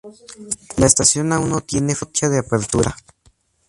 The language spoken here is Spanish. La estación aún no tiene fecha de apertura.